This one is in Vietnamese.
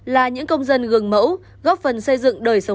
là những công dân gừng mẫu góp phần tổ quốc